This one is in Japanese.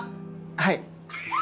はい。